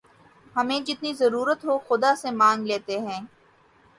ہمیں جتنی ضرورت ہو خدا سے مانگ لیتے ہیں